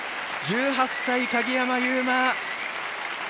１８歳、鍵山優真。